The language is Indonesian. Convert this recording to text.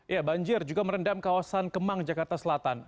ya banjir juga merendam kawasan kemang jakarta selatan